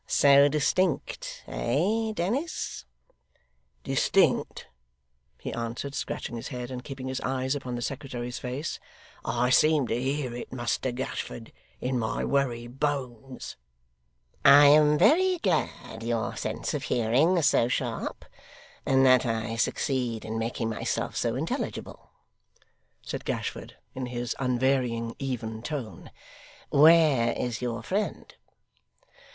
'So distinct, eh Dennis?' 'Distinct!' he answered, scratching his head, and keeping his eyes upon the secretary's face; 'I seem to hear it, Muster Gashford, in my wery bones.' 'I am very glad your sense of hearing is so sharp, and that I succeed in making myself so intelligible,' said Gashford, in his unvarying, even tone. 'Where is your friend?